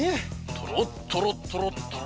とろっとろとろとろ。